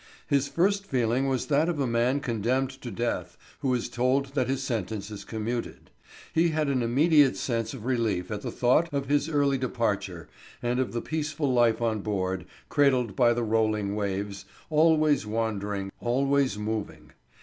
His first feeling was that of a man condemned to death who is told that his sentence is commuted; he had an immediate sense of relief at the thought of his early departure and of the peaceful life on board, cradled by the rolling waves, always wandering, always moving.